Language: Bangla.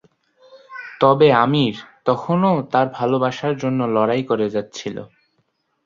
তবে আমির তখনও তার ভালবাসার জন্য লড়াই করে যাচ্ছিল।